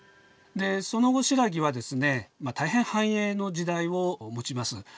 でその後新羅はですね大変繁栄の時代を持ちます。